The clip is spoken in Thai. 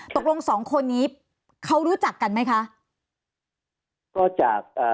ตกลงสองคนนี้เขารู้จักกันไหมคะ